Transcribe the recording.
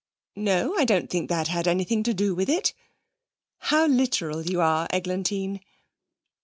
'No I don't think that had anything to do with it.' 'How literal you are, Eglantine!'